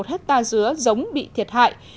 bốn mươi năm một hectare dứa giống bị thiệt hại